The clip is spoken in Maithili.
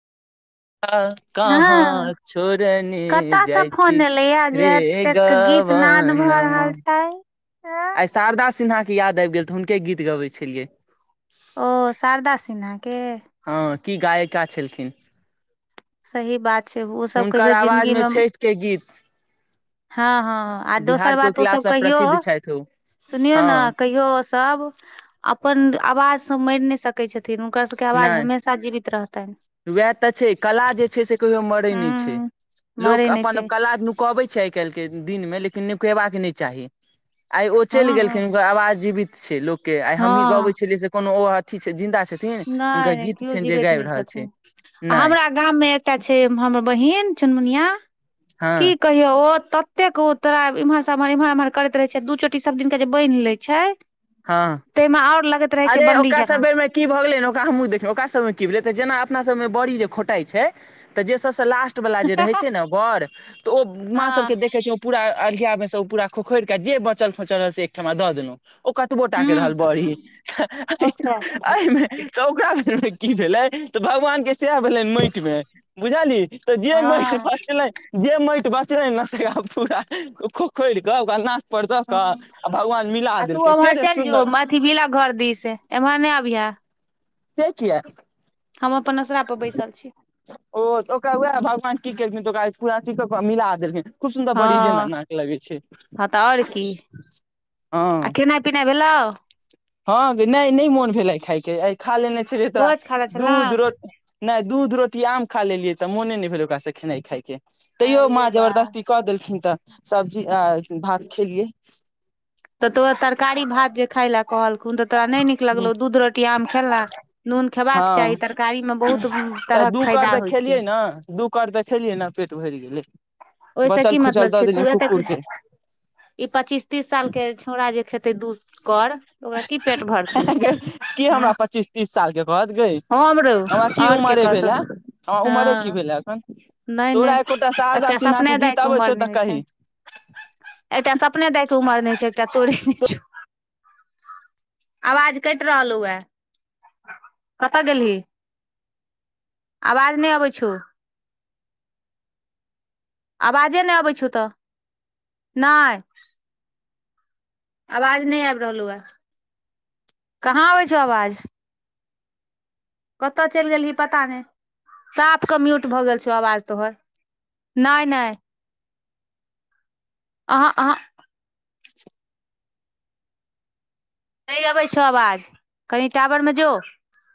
हँ हँ कहाँ छोड़ने कतऽ सँ जाइ छी फोन एलैया जे रे ग एतेक ऽ गीत व नाद नमा [inaudible] आइ शारदा सिन्हा के याद आबि गेल तऽ हुनके गीत गबैत छलियै ओ शारदा सिन्हाके हँ की गायिका छलखिन सही बात छै ओ सब कहियो हुनकर आवाज जिन्दगी मे छठि के गीत हँ हँ आ दोसर बिहार बात ओसभ कोकिलासँ कहियौ प्रसिद्ध छथि ओ सुनियौ ने हँ कहियौ सब अपन आवाज से मरि न स कै छथिन हुनकर सभके आवाज हमेशा जीवित रहतनि वएह तऽ छै कला जे छै से कहियो मरै नहि छै हूँ मरै लोक नहि अपन छै कला नु कहबैत छै आइ काल्हिके दिनमे लेकिन नुकयबाक नहि चाही आइ ओ हँ चलि हँ गेलखिन हुनकर आवाज जीवित छै लोकके आइ हमही गबै हँ छलियै से कोनो ओ अथी छै जिन्दा छथिन हुनकर नहि नहि गीत केओ छनि जे जीबैत गाबि नहि रहल छथिन छै आ नहि हमरा गाम मे एकटा छै हमर बहिन चुनमुनिया हँ की कहियो ओ ततेक ओ तोरा इम्हर एमहर एम्हर एमहर कर रहे छै दू चोटी सब दिनक जे बनि लै छै हँ ताहिमे आओर लगैत रहै छै अरे बनरी ओकरा सब जकाँ बेर मे की भऽ गेलै ने ओकरा हमहूँ देखियै ओकरा सभमे की भेलै तऽ जेना अपना सभमे बड़ी जे खोटाइ छै तऽ जे सबस लास्ट वालला जे रहै छै ने बर तऽ ओ माँ हँ सबके देखै छै पूरा अरियामे से ओ पूरा खोखरिकऽ जे बचल फोचल रहल से एकठमा दऽ देलहुँ ओ बो टाक रहल हूँ बड़ी [unintelligible] अच्छा एहिमे तऽ ओकरा बेर में की भेलै तऽ भगवान के सएह भेलनि मटि मे बुझलिय तऽ जे मटि हँ बछलै जे मटि बचले न से हो पूरा खोखोरिकऽ ओकरा ना पर द क आ हँ भगवान मिला आ देल तू उम्हर चलि जो अथी बिला घर दिस एम्हर नहि अबिहे से किया हम अपन असरा पर बैसल छी ओ ओकरा उएह भगवान की केलखिन तऽ ओरा पूरा ची मिला देलखिन खुब सुन्दर बड़ी जेना हँ नाक लगै छै हँ तऽ आओर हँ पना भेल ल हँ नहि नहि मोन भेलै खायके आ खा लेने छलियै तोरा भोज खा ले छलौं दूध रोट नइ दूध रोटी आम खा लेलियै तऽ मोने नहि भेल ओकासँ खेनाइ खाय के तैयो माँ अरे बाह जबरदस्ती कऽ देलखिन तऽ सब्जी आ भात खेलियै तऽ तोरा तरकारी भात जे खाय लए कहल खून तऽ तोरा नहि नीक लगलौ दूध रोटी आम खेलहुँ नून हँ खेबाक चाही तरकारी में बहुत तऽ तरहक दू फायदा कर तऽ होइ छै खेलियै ने दू कर तऽ खेलियै ने पेट भरि गेलै ओहिस बचल की खुचल मतलब दऽ छै तू देलियै एतेक कुकुर के ई पच्चीस तीस साल के छौड़ा जे खेते दू कर ओकरा की पेट भरतै की हँ हमरा पच्चीस तीस साल के कहत गै हं हम हमरा रह की आओर के उमरे भेल कहतौ हे हमरा हँ उमरे की भेल हे एखन नय तोरा नय एकोटा शारदा एकटा सिन्हा के सपने गीत दायके अबै उमर छौ नहि तऽ होइ कही छनि एकटा सपने दएके उमर नहि छै एकटा तोड़े नहि छौ अवाज कटि रहलहु वे कतऽ गेली अवाज नहि अबै छौ आवाजे नहि अबै छ ओतऽ नहि अवाज नहि आबि रहल ह कहाँ अबै छौ अवाज कतय चलि गेलही पता नहि साफ के म्यूट भऽ गेल छौ आवाज तोहर नय नय अहाँ अहाँ नहि अबै छौ आवाज कनि टावर में जो